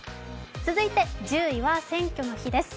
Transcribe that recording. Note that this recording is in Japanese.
続いて１０位は選挙の日です。